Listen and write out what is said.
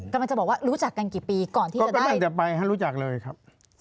ก็มันจะบอกว่ารู้จักกันกี่ปีก่อนที่จะได้ก็ไม่ตั้งแต่ไปท่านรู้จักเลยครับ